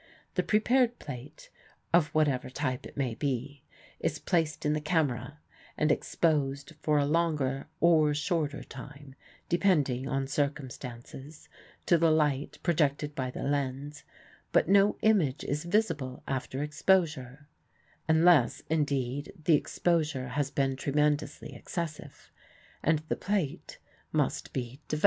The prepared plate, of whatever type it may be, is placed in the camera and exposed for a longer or shorter time, depending on circumstances, to the light projected by the lens, but no image is visible after exposure, (unless, indeed, the exposure has been tremendously excessive,) and the plate must be developed.